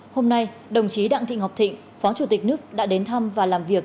hôm nay đồng chí đặng thị ngọc thịnh phó chủ tịch nước đã đến thăm và làm việc